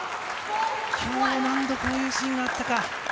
今日、何度こういうシーンがあったか。